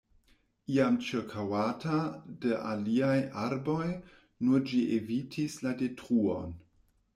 Iam ĉirkaŭata de aliaj arboj, nur ĝi evitis la detruon.